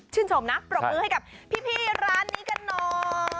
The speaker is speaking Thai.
ชมนะปรบมือให้กับพี่ร้านนี้กันหน่อย